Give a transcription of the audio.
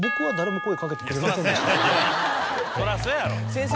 そらそやろ。